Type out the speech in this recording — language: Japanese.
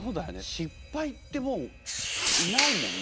失敗ってもういないもんね